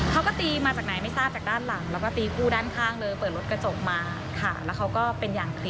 เขาก็ตีมาจากไหนไม่ทราบแต่ด้านหลัง